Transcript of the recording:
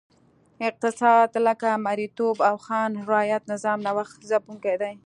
اقتصاد لکه مریتوب او خان رعیت نظام نوښت ځپونکی دی.